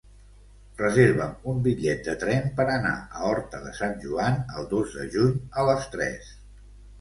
Reserva'm un bitllet de tren per anar a Horta de Sant Joan el dos de juny a les tres.